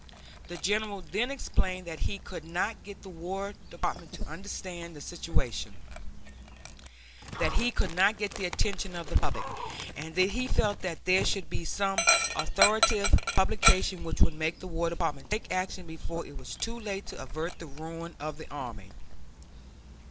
The General then explained that he could not get the War Department to understand the situation; that he could not get the attention of the public; and that he felt that there should be some authoritative publication which would make the War Department take action before it was too late to avert the ruin of the army.